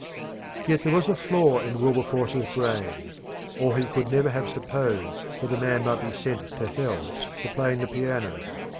Yet there was a flaw in Wilberforce's brain, or he could never have supposed that a man might be sent to hell for playing the piano.